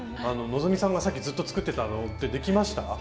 希さんがさっきずっと作ってたのってできました？